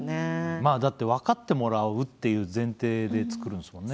まあだって分かってもらうっていう前提で作るんすもんね。